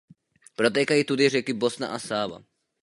Protékají tudy řeky Bosna a Sáva.